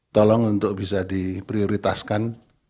tolong untuk bisa diprioritaskan